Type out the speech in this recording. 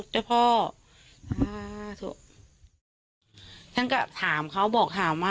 ฉันก็ถามเขา